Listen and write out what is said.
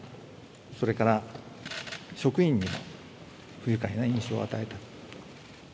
それから、職員に不愉快な印象を与えた。